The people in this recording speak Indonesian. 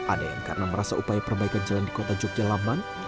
ada yang karena merasa upaya perbaikan jalan di kota jogja lamban